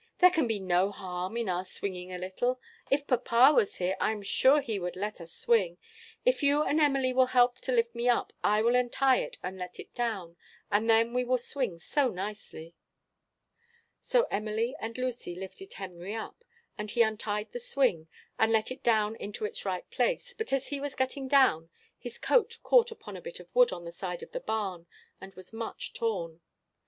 There can be no harm in our swinging a little. If papa was here, I am sure he would let us swing. If you and Emily will help to lift me up, I will untie it and let it down, and then we will swing so nicely." So Emily and Lucy lifted Henry up, and he untied the swing, and let it down into its right place; but as he was getting down, his coat caught upon a bit of wood on the side of the barn, and was much torn.